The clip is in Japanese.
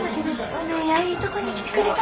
お姉やんいいとこに来てくれた。